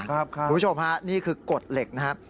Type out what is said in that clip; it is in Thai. คุณผู้ชมฮะนี่คือกฎเหล็กนะครับ